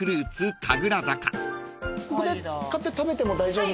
ここで買って食べても大丈夫。